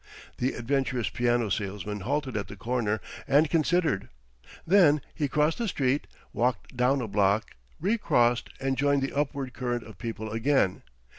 The adventurous piano salesman halted at the corner and considered. Then he crossed the street, walked down a block, recrossed and joined the upward current of people again.